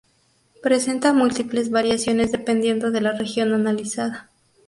Presenta múltiples variaciones dependiendo de la región analizada.